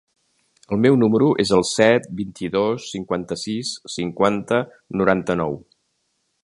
El meu número es el set, vint-i-dos, cinquanta-sis, cinquanta, noranta-nou.